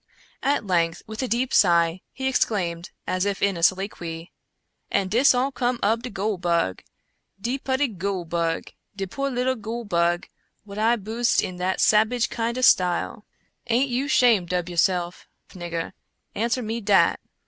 At length, with a deep sigh, he exclaimed, as if in a soliloquy :" And dis all cum ob de goole bug ! de putty goole bug ! de poor little goole bug, what I boosed in that sabage kind ob style! Aint you shamed ob yourself, nigger? — answer me dat